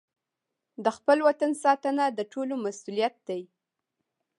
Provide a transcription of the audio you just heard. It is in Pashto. د خپل وطن ساتنه د ټولو مسوولیت دی.